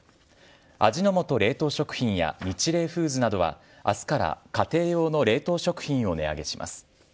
味の素冷凍食品やニチレイフーズなどは、あすから家庭用の冷凍食品を値上げします。